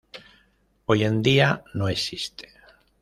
Hoy en día no existe.